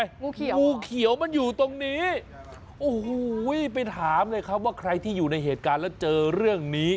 งูเขียวงูเขียวมันอยู่ตรงนี้โอ้โหไปถามเลยครับว่าใครที่อยู่ในเหตุการณ์แล้วเจอเรื่องนี้